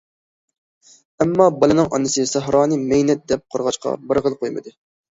ئەمما بالىنىڭ ئانىسى سەھرانى مەينەت دەپ قارىغاچقا، بارغىلى قويمىدى.